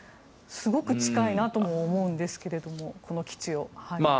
すごく近いなとも思うんですがこの基地を。